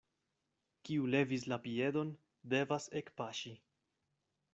Kiu levis la piedon, devas ekpaŝi.